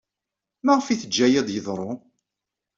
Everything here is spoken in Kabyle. Maɣef ay teǧǧa aya ad d-yeḍru?